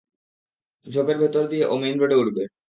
ঝোপের ভেতর দিয়ে ও মেইন রোডে উঠবে।